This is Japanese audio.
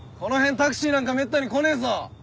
タクシーなんかめったに来ねえぞ。